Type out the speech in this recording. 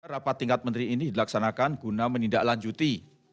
rapat tingkat menteri ini dilaksanakan guna menindaklanjuti